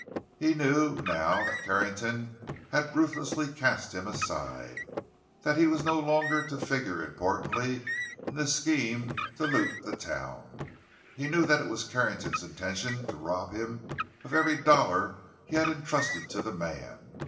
He knew, now that Carrington had ruthlessly cast him aside, that he was no longer to figure importantly in the scheme to loot the town; he knew that it was Carrington's intention to rob him of every dollar he had entrusted to the man.